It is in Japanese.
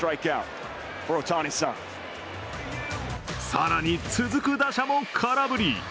更に続く打者も空振り。